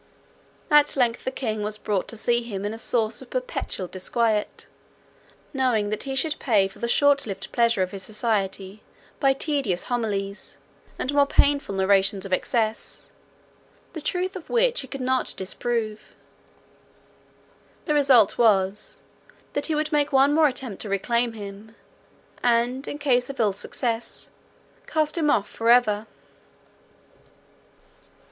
At length the king was brought to see in him a source of perpetual disquiet, knowing that he should pay for the short lived pleasure of his society by tedious homilies, and more painful narrations of excesses, the truth of which he could not disprove. The result was, that he would make one more attempt to reclaim him, and in case of ill success, cast him off for ever.